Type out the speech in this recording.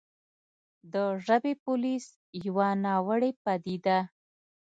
د «ژبې پولیس» يوه ناوړې پديده